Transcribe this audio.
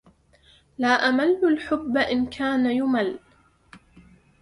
لا أمل الحب إن كان يمل